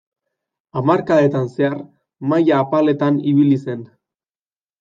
Hamarkadetan zehar maila apaletan ibili zen.